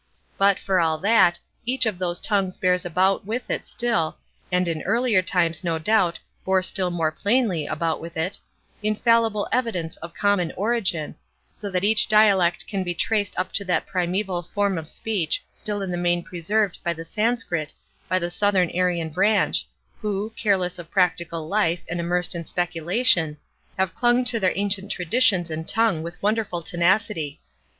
But, for all that, each of those tongues bears about with it still, and in earlier times no doubt bore still more plainly about with it, infallible evidence of common origin, so that each dialect can be traced up to that primaeval form of speech still in the main preserved in the Sanscrit by the Southern Aryan branch, who, careless of practical life, and immersed in speculation, have clung to their ancient traditions and tongue with wonderful tenacity.